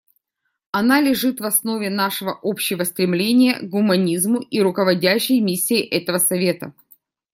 Она лежит в основе нашего общего стремления к гуманизму и руководящей миссии этого Совета.